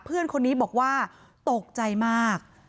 เพื่อนคนนี้บอกว่าตกใจมาก